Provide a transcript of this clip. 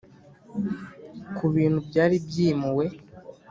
kubintu byari byimuwe,